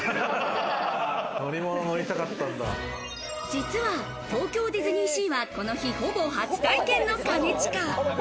実は東京ディズニーシーはこの日、ほぼ初体験の兼近。